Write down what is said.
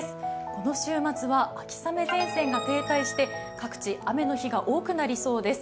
この週末は秋雨前線が停滞して各地、雨の日が多くなりそうです。